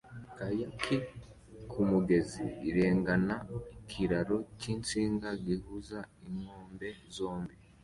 Kayaki kumugezi irengana ikiraro cyinsinga gihuza inkombe zombi